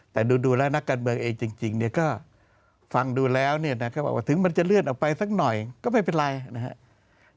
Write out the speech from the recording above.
แต่ดูแล้วนักการเมืองเองจริงเนี่ยก็ฟังดูแล้วเนี่ยนะครับบอกว่าถึงมันจะเลื่อนออกไปสักหน่อยก็ไม่เป็นไรนะครับ